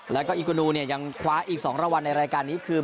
แล้วก็อิโกนูเนี่ยยังคว้าอีก๒รางวัลในรายการนี้คือ